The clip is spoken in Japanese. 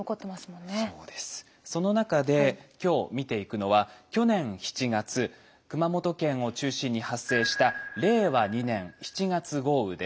その中で今日見ていくのは去年７月熊本県を中心に発生した令和２年７月豪雨です。